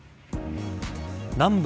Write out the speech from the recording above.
南部・